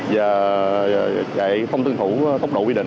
và chạy không tương thủ tốc độ quy định